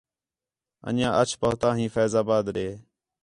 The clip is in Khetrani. انڄیاں اَچ پُہتا ھیں فیض آباد دے